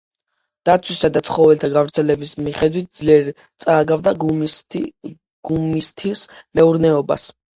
დაცვისა და ცხოველთა გავრცელების მიხედვით ძლიერ წააგავდა გუმისთის მეურნეობას.